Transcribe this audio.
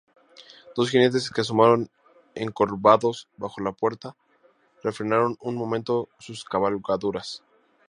dos jinetes que asomaron encorvados bajo la puerta, refrenaron un momento sus cabalgaduras